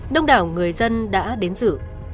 đông đảo người dân đã đến giữ